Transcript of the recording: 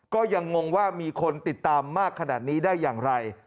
ก็ยังงงว่ามีคนติดตามมากขนาดนี้ได้อย่างไร